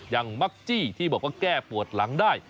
มักจี้ที่บอกว่าแก้ปวดหลังได้